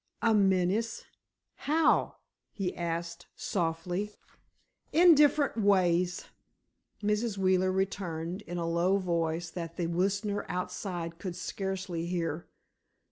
"A menace, how?" he asked, softly. "In different ways," Mrs. Wheeler returned, in so low a voice that the listener outside could scarcely hear.